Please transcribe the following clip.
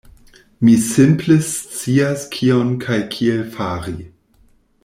Mi simple scias kion kaj kiel fari.